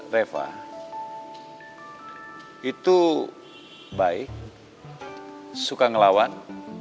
reva itu baik suka ngelawan